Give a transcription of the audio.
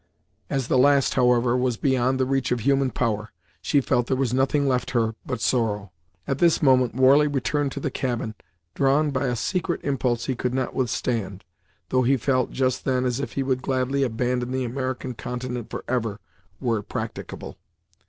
As the last, however, was beyond the reach of human power, she felt there was nothing left her but sorrow. At this moment Warley returned to the cabin, drawn by a secret impulse he could not withstand, though he felt, just then, as if he would gladly abandon the American continent forever, were it practicable.